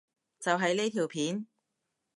就係呢條片？